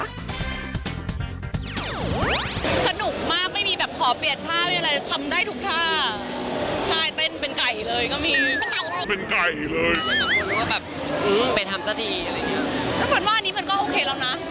สนุกมากไม่มีแบบขอเปลี่ยนท่าไม่มีอะไรทำได้ถูกท่า